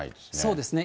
そうですね。